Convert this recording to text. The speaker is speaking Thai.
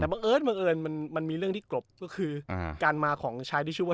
แต่เมื่อเอิญเมื่อเอิญมันมันมีเรื่องที่กลบก็คือการมาของชายที่ชื่อว่า